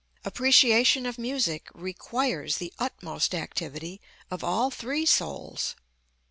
Appreciation of music requires the utmost activity of all three souls.